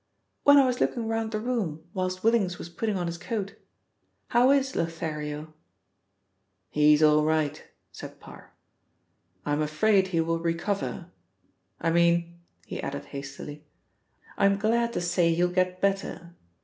"When I was looking round the room whilst Willings was putting on his coat. How is Lothario?" "He's all right," said Parr. "I am afraid he will recover I mean," he added hastily, "I am glad to say he'll get better.